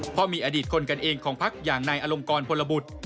เพราะมีอดีตคนกันเองของพักอย่างนายอลงกรพลบุตร